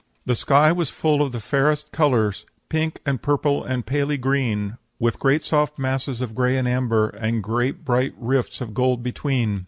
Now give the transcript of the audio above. "'The sky was full of the fairest colors Pink and purple and paly green, With great soft masses of gray and amber, And great bright rifts of gold between.